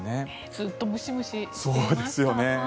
ずっとムシムシしていました。